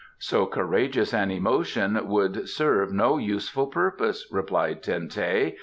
"So courageous an emotion would serve no useful purpose," replied Ten teh.